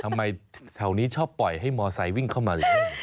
ทำไมแถวนี้ชอบปล่อยให้มอไซค์วิ่งเข้ามาหรือ